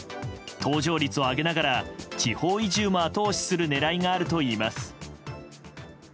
搭乗率を上げながら、地方移住も後押しする狙いがあるといいます。